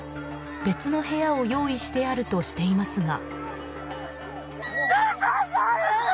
別の部屋を用意してあるとしていますが。